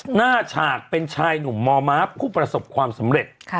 ฉากเป็นชายหนุ่มม้าผู้ประสบความสำเร็จ